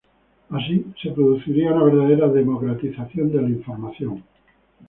Así, se produciría una verdadera democratización de la información.